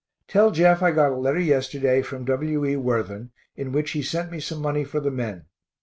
Tell Jeff I got a letter yesterday from W. E. Worthen, in which he sent me some money for the men.